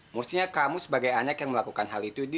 mestinya kamu sebagai anak yang melakukan hal itu di